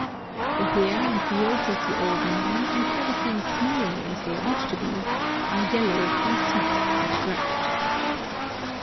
The hair and beards of the old men, instead of being snowy as they ought to be, are yellow from smoke and dirt.